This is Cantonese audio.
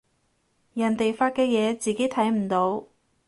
人哋發嘅嘢自己睇唔到